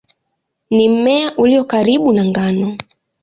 Ni mmea ulio karibu na ngano.